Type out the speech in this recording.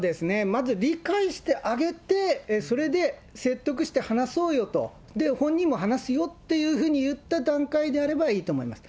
まず、理解してあげて、それで、説得して話そうよと、本人も話すよというふうに言った段階であればいいと思います。